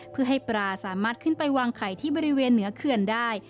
เพื่อให้ปลาสามารถขึ้นไปวางไข่ที่บริเวณเหนือเขื่อนได้